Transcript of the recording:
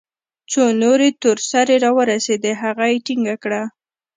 څو نورې تور سرې راورسېدې هغه يې ټينګه كړه.